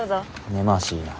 根回しいいな。